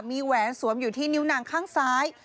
มีแหวนสวมอยู่ที่นิ้วนางข้างซ้าย